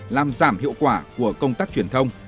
làm giảm hiệu quả của công tác truyền thông